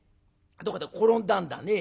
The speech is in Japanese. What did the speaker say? どっかで転んだんだね。